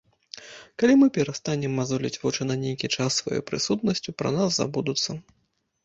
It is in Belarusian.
Калі мы перастанем мазоліць вочы на нейкі час сваёй прысутнасцю, пра нас забудуцца.